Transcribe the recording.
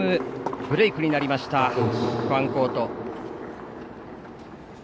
ブレークになりましたファンコート。